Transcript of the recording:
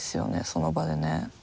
その場でね。